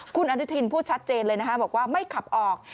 คุณอนุทินพูดชัดเจนเลยนะคะบอกว่าไม่ขับออก